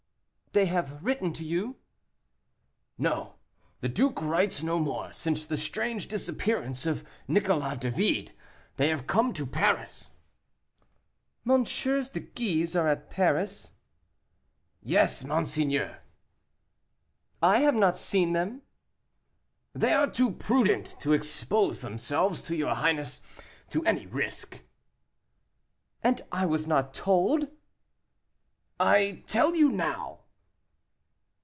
"They have written to you?" "No; the duke writes no more since that strange disappearance of Nicholas David. They have come to Paris." "MM. de Guise are at Paris?" "Yes, monseigneur." "I have not seen them." "They are too prudent to expose themselves or your highness to any risk." "And I was not told!" "I tell you now."